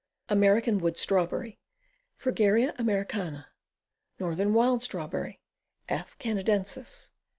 American Wood Strawberry. Fragaria Americana. Northern Wild Strawberry. F. Canadensis.